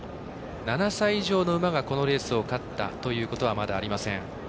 ７歳以上の馬がこのレースを勝ったということは、まだありません。